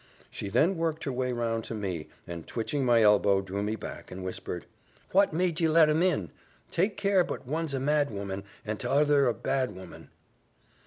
She then worked her way round to me, and twitching my elbow, drew me back, and whispered "What made ye let 'em in? Take care but one's a mad woman, and t'other a bad woman."